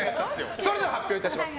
それでは発表いたします。